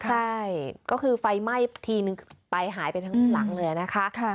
ใช่ก็คือไฟไหม้ทีนึงไปหายไปทั้งหลังเลยนะคะ